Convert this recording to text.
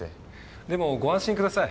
でもご安心ください。